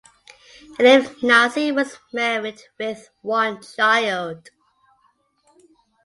Elif Naci was married with one child.